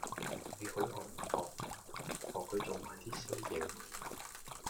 你好學唔學！學佢做埋 D 衰野